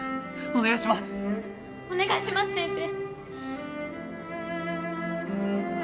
お願いします先生！